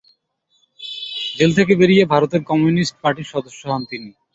Jail থেকে বেরিয়ে ভারতের কমিউনিস্ট পার্টির সদস্য হন তিনি।